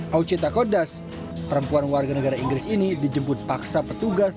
hai auceta kodas perempuan warga negara inggris ini dijemput paksa petugas